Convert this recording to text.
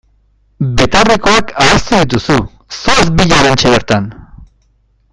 Betaurrekoak ahaztu dituzu, zoaz bila oraintxe bertan!